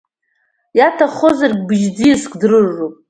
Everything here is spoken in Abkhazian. Иаҭаххозаргь, бжь-ӡиаск дрырроуп.